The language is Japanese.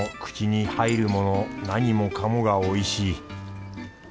口に入るもの何もかもがおいしい。